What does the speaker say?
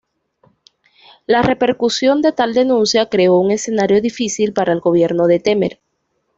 La repercusión de tal denuncia creó un escenario difícil para el gobierno de Temer.